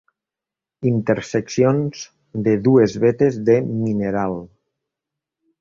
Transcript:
Interseccions de dues vetes de mineral.